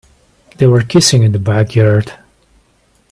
They were kissing in the backyard.